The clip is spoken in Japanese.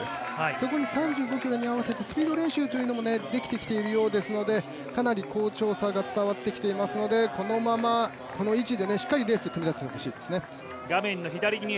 そこに、３５ｋｍに合わせてスピード練習というのもできているようですのでかなり好調さが伝わってきていますのでこのままの位置でしっかりレースを組み立ててほしいですね。